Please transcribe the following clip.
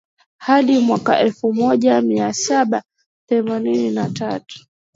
hadi mwaka elfumoja miasaba themanini na tatu